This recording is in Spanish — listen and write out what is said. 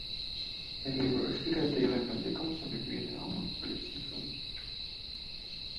El libro explica detalladamente cómo sobrevivir a un apocalipsis zombie.